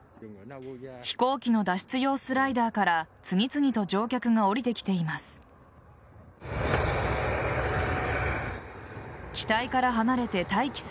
飛行機の脱出用スライダーから次々と乗客が降りてきています。